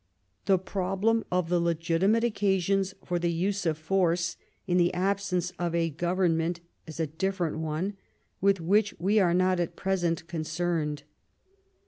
The problem of the legitimate occasions for the use of force in the absence of a government is a different one, with which we are not at present concerned.